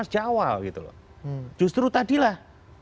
sejauh justru tadilah